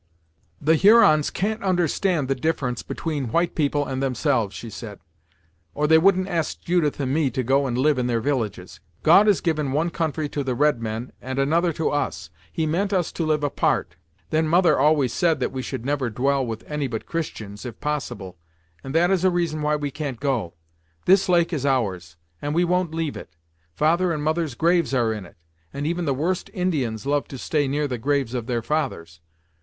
"The Hurons can't understand the difference between white people and themselves," she said, "or they wouldn't ask Judith and me to go and live in their villages. God has given one country to the red men and another to us. He meant us to live apart. Then mother always said that we should never dwell with any but Christians, if possible, and that is a reason why we can't go. This lake is ours, and we won't leave it. Father and mother's graves are in it, and even the worst Indians love to stay near the graves of their fathers.